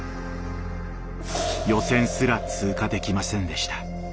予選すら通過できませんでした。